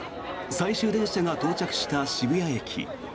最終電車が到着した渋谷駅。